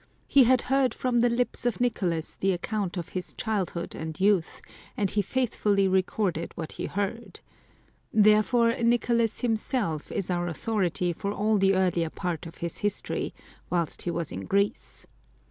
He had heard from the lips of Nicolas the account of his childhood and youth, and he faithfully recorded what he heard. Therefore Nicolas himself is our authority for all the earlier part of his history, whilst he was in Greece.